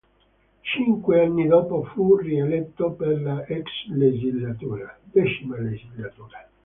Cinque anni dopo fu rieletto per la X legislatura.